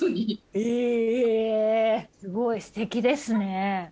えすごいステキですね。